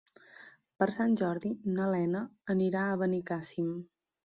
Per Sant Jordi na Lena anirà a Benicàssim.